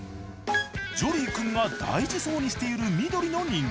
ジョリー君が大事そうにしている緑の人形。